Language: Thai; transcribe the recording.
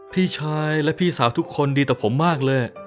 พี่ชายและพี่สาวทุกคนดีต่อผมมากเลย